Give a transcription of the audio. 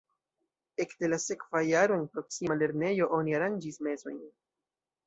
Ekde la sekva jaro en proksima lernejo oni aranĝis mesojn.